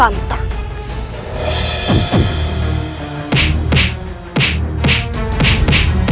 untuk cs regang